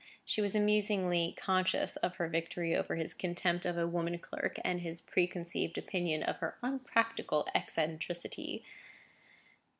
She was amusingly conscious of her victory over his contempt of a woman clerk and his preconceived opinion of her unpractical eccentricity.